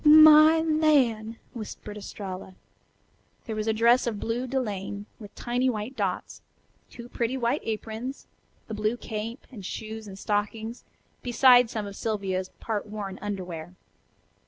"My lan'!" whispered Estralla. There was a dress of blue delaine with tiny white dots, two pretty white aprons, the blue cape, and shoes and stockings, beside some of Sylvia's part worn underwear.